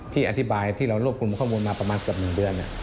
อธิบายที่เรารวบรวมข้อมูลมาประมาณเกือบ๑เดือน